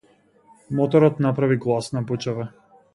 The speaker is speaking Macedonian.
Моторот направи гласна бучава.